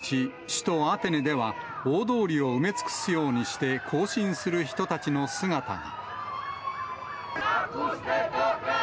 ２６日、首都アテネでは、大通りを埋め尽くすようにして行進する人たちの姿が。